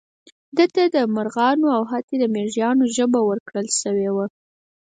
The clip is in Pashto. ده ته د مارغانو او حتی د مېږیانو ژبه ور زده کړل شوې وه.